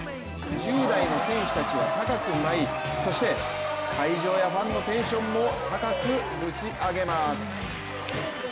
１０代の選手たちは高く舞いそして会場やファンの皆さんのテンションも高くぶち上げます。